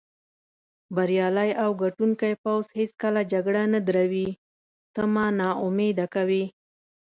بریالی او ګټوونکی پوځ هېڅکله جګړه نه دروي، ته ما نا امیده کوې.